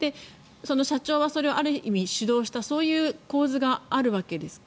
社長はそれをある意味主導したそういう構図があるわけですか？